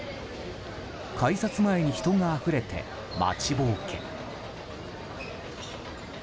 改札前に人があふれて待ちぼうけ。